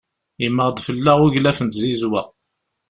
Yemmeɣ-d fell-aɣ uglaf n tzizwa.